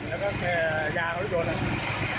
แล้วก็เยายาโรดยนต์